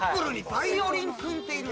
バイオリンくんっている。